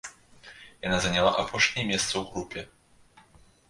Яна заняла апошняе месца ў групе.